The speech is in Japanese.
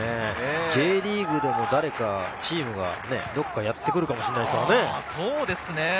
Ｊリーグでも誰かチームがどこかやってくるかもしれないですからね。